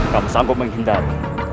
kamu sanggup menghindari